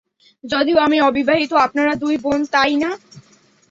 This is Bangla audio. যদিও আমি অবিবাহিত আপনারা দুই বোন তাই না?